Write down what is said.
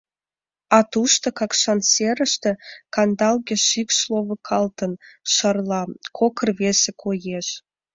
А тушто, Какшан серыште, кандалге шикш ловыкалтын шарла, кок рвезе коеш.